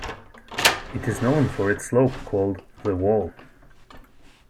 It is known for its slope called "The Wall".